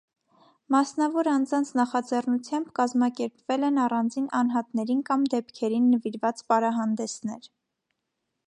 Մասնավոր անձանց նախաձեռնությամբ կազմակերպվել են առանձին անհատներին կամ դեպքերին նվիրված պարահանդեսներ։